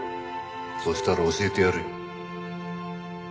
そしたら教えてやるよ。